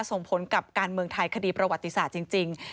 ส่งผลกับการเมืองไทยคดีประวัติศาสตร์จริง